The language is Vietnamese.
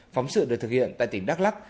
phóng sự được thực hiện tại tỉnh đắk lắc